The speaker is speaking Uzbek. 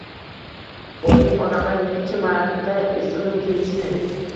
Boyning odamlari necha marta izg‘ib kelishdi.